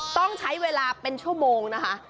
ต้องใช้เวลาเป็นชั่วโมงนะคะ